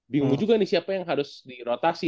bingung juga nih siapa yang harus dirotasi